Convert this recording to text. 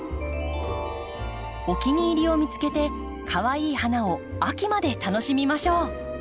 お気に入りを見つけてかわいい花を秋まで楽しみましょう！